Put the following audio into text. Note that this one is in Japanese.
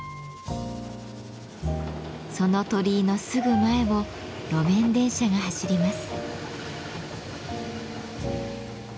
その鳥居のすぐ前を路面電車が走ります。